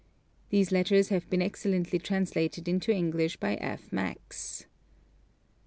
(These letters have been excellently translated into English by F. Maxse.)